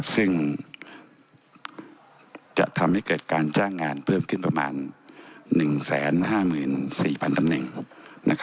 ซึ่งจะทำให้เกิดการจ้างงานเพิ่มขึ้นประมาณ๑๕๔๐๐ตำแหน่ง